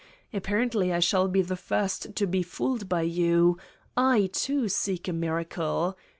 Apparently I shall be the first to be fooled by you : I, too, seek a miracle.